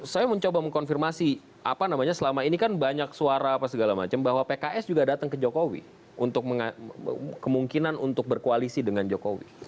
saya mencoba mengkonfirmasi apa namanya selama ini kan banyak suara apa segala macam bahwa pks juga datang ke jokowi untuk kemungkinan untuk berkoalisi dengan jokowi